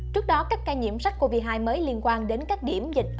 trước đó các ca nhiễm sars cov hai mới liên quan đến các điểm dịch